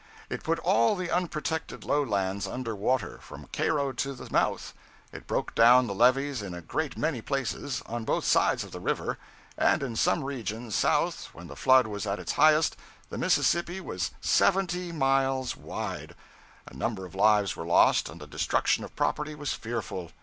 It put all the unprotected low lands under water, from Cairo to the mouth; it broke down the levees in a great many places, on both sides of the river; and in some regions south, when the flood was at its highest, the Mississippi was seventy miles wide! a number of lives were lost, and the destruction of property was fearful.